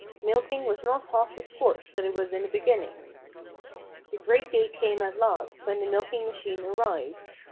Milking was not half the sport that it was in the beginning. The great day came at last when the milking machine arrived.